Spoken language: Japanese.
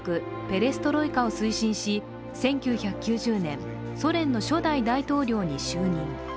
ペレストロイカを推進し、１９９０年、ソ連の初代大統領に就任。